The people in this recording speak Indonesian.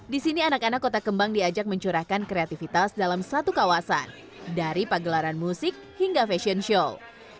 di sini anak anak kota kembang diajak mencurahkan kreativitas dalam satu kawasan dari pagelaran musik hingga fashion show